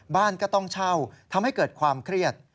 บ้านก็ต้องเช่าทำให้เกิดความเครียด